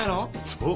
そう。